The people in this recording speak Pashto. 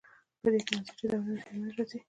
په دې کې بنسټیزې او نوې څیړنې راځي.